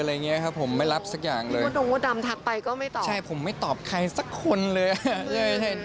อะไรอย่างนี้ครับผมไม่รับสักอย่างเลยใช่ผมไม่ตอบใครสักคนเลยใช่